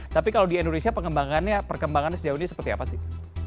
tapi kalau di indonesia perkembangannya sejauh ini seperti apa sih